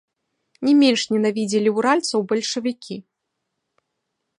Не менш ненавідзелі ўральцаў бальшавікі.